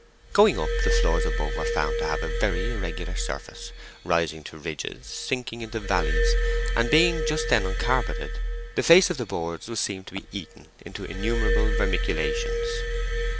Going up, the floors above were found to have a very irregular surface, rising to ridges, sinking into valleys; and being just then uncarpeted, the face of the boards was seen to be eaten into innumerable vermiculations.